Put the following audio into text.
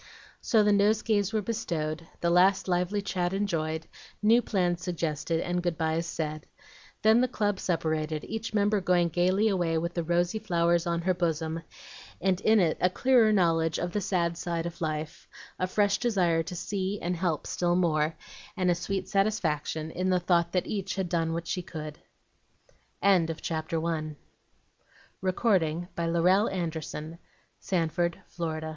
So the nosegays were bestowed, the last lively chat enjoyed, new plans suggested, and goodbyes said; then the club separated, each member going gayly away with the rosy flowers on her bosom, and in it a clearer knowledge of the sad side of life, a fresh desire to see and help still more, and a sweet satisfaction in the thought that each had done what she could. AN IVY SPRAY AND LADIES' SLIPPERS "IT can't be done! So I may as well give it I up and get